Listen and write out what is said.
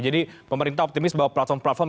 jadi pemerintah optimis bahwa platform platform